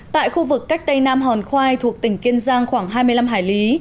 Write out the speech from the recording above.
tại khu vực cách tây nam hòn khoai thuộc tỉnh kiên giang khoảng hai mươi năm hải lý